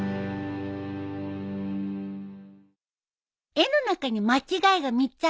絵の中に間違いが３つあるよ。